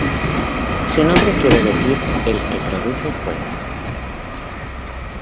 Su nombre quiere decir "el que produce fuego".